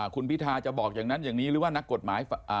คุณพิทาจะบอกอย่างนั้นอย่างนี้หรือว่านักกฎหมาย